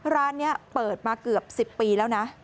ร้านนี้เปิดมาเกือบ๑๐ปีแล้วนะ